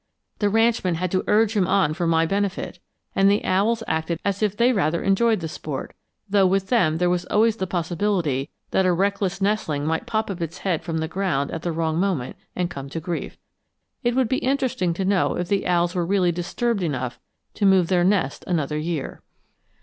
The ranchman had to urge him on for my benefit, and the owls acted as if they rather enjoyed the sport, though with them there was always the possibility that a reckless nestling might pop up its head from the ground at the wrong moment and come to grief. It would be interesting to know if the owls were really disturbed enough to move their nest another year.